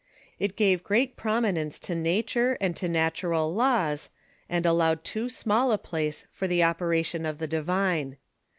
It gave great prominence to nature and to natural laws, and allowed too small a place for the operation of the divine.